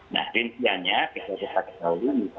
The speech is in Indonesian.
nah intinya kita bisa tahu